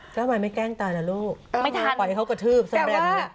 ก็ไม่แกล้งตายล่ะลูกปล่อยเขากระทืบซะแบบนี้